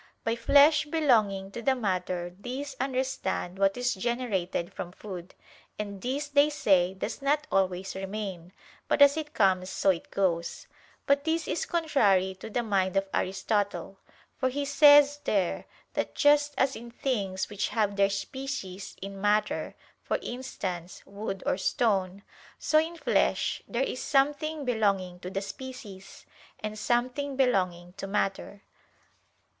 By flesh belonging to the matter these understand what is generated from food: and this, they say, does not always remain, but as it comes so it goes. But this is contrary to the mind of Aristotle. For he says there, that "just as in things which have their species in matter" for instance, wood or stone "so in flesh, there is something belonging to the species, and something belonging to matter."